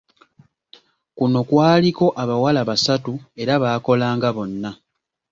Kuno kwaliko abawala basatu era baakolanga bonna.